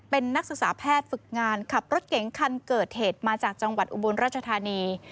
เป็นนักศึกษาแพทย์ฝึกงานขับรถเก๋งคันเกิดเหตุมาจากจังหวัดอุบลราชธานี